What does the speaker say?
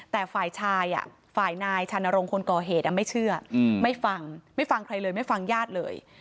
แต่ฝ่ายชายฝ่ายนายชานรงค์คนก่อเหตุไม่เชื่อไม่ฟังไม่ฟังใครเลยไม่ฟังญาติเลย